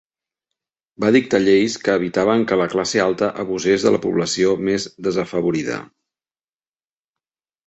Va dictar lleis que evitaven que la classe alta abusés de la població més desafavorida.